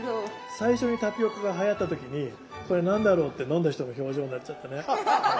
最初にタピオカがはやった時に「これ何だろう？」って飲んだ人の表情になっちゃったね。